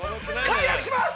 解約します！